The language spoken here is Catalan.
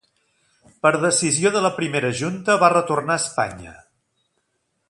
Per decisió de la Primera Junta va retornar a Espanya.